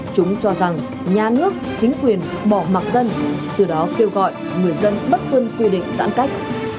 chúng cho rằng nhà nước chính quyền bỏ mặt dân từ đó kêu gọi người dân bất tuân quy định giãn cách